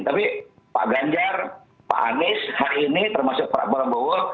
tapi pak ganjar pak anies hari ini termasuk pak prabowo